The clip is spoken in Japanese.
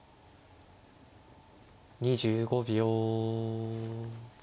２５秒。